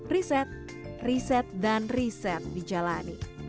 riset riset dan riset dijalani